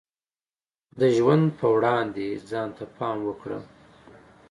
د ژوند په وړاندې ځان ته پام وکړه.